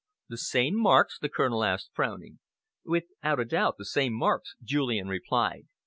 "The same marks?" the Colonel asked, frowning. "Without a doubt the same marks," Julian replied.